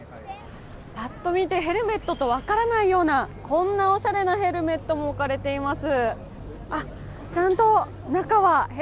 ぱっと見て、ヘルメットと分からないような、こんなおしゃれなヘルメットも置かれています。